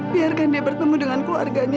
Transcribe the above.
biarkan dia bertemu dengan keluarganya